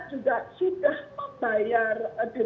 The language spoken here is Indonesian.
juga sudah membayar denda